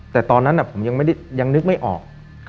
แต่ตอนนั้นผมยังไม่ได้ยังนึกไม่ออก